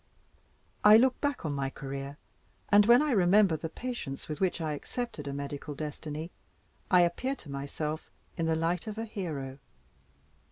I look back on my career, and when I remember the patience with which I accepted a medical destiny, I appear to myself in the light of a hero.